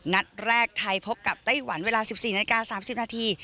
นัดแรกไทยพบกับไต้หวันเวลา๑๔นาฬิกา๓๐นาที